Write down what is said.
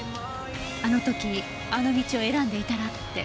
あの時あの道を選んでいたらって。